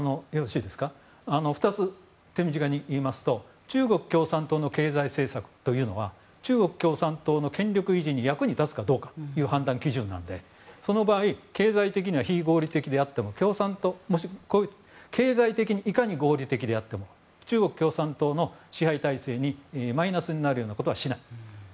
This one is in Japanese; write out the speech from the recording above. ２つ、手短に言いますと中国共産党の経済政策というのは中国共産党の権力維持に役に立つかどうかという判断基準なのでその場合、経済的には経済的にいかに合理的であっても中国共産党の支配体制にマイナスになるようなことはしない。